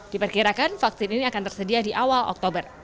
diperkirakan vaksin ini akan tersedia di awal oktober